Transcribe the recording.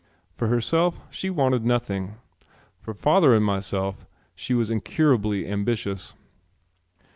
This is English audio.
For herself she wanted nothing. For father and myself she was incurably ambitious.